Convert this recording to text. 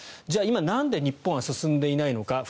じゃあ、今なんで日本は進んでいないのか。